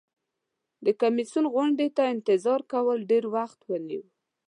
د کمیسیون غونډې ته انتظار کول ډیر وخت ونیو.